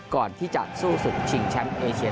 ก่อนที่จะสู้ศึกชิงแชมป์เอเชีย